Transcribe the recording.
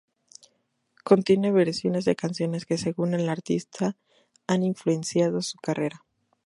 Contiene versiones de canciones que, según el artista, han influenciado su carrera.